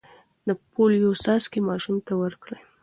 د پولیو څاڅکي ماشوم ته ورکړئ.